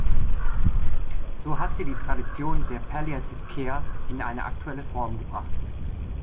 So hat sie die Tradition der Palliative Care in eine aktuelle Form gebracht.